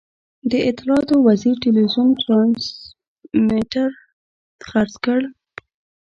د اطلاعاتو وزیر ټلوېزیون ټرانسمیټر خرڅ کړ.